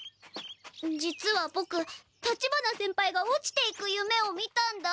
実はボク立花先輩が落ちていく夢を見たんだ！